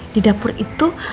di dapur itu